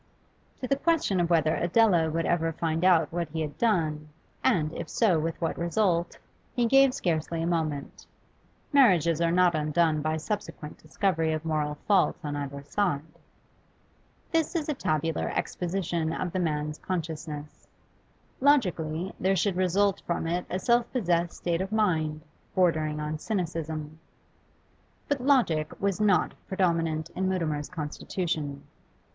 To the question of whether Adela would ever find out what he had done, and, if so, with what result, he gave scarcely a moment. Marriages are not undone by subsequent discovery of moral faults on either side. This is a tabular exposition of the man's consciousness. Logically, there should result from it a self possessed state of mind, bordering on cynicism. But logic was not predominant in Mutimer's constitution.